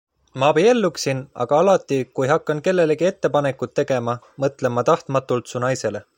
Ma abielluksin, aga alati, kui hakkan kellelegi ettepanekut tegema, mõtlen ma tahtmatult su naisele.